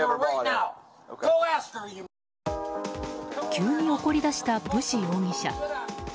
急に怒り出したブシ容疑者。